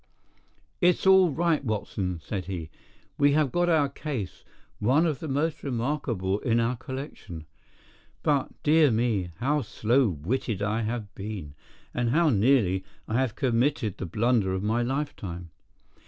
"It's all right, Watson," said he. "We have got our case—one of the most remarkable in our collection. But, dear me, how slow witted I have been, and how nearly I have committed the blunder of my lifetime!